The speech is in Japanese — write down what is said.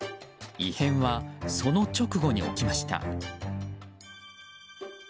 異変はその直後に起きました。